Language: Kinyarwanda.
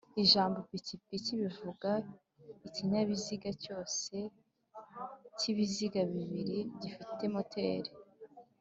Ijambo "ipikipiki" bivuga ikinyabiziga cyose cy'ibiziga bibiri gifite moteri